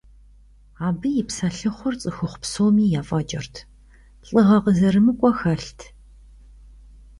Абы и псэлъыхъур цӀыхухъу псоми ефӀэкӀырт, лӀыгъэ къызэрымыкӀуэ хэлът.